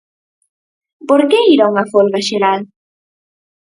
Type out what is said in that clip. Por que ir a unha folga xeral?